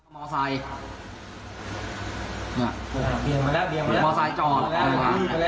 มอไซด์มาแล้ว